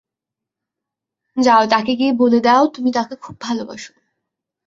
যাও তাকে গিয়ে বলে দেও তুমি তাকে খুব ভালোবাসো।